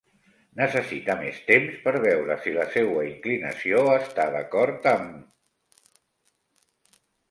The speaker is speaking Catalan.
Necessite més temps per veure si la seua inclinació està d'acord amb...